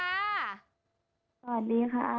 สวัสดีค่ะ